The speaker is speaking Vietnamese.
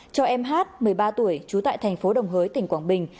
cho em hát một mươi ba tuổi trú tại thành phố đồng hới tỉnh quảng bình